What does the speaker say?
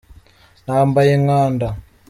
nambaye inkanda.